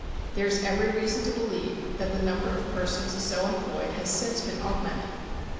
There is every reason to believe that the number of persons so employed has since been augmented.